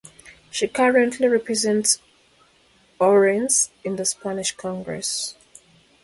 She currently represents Ourense in the Spanish Congress.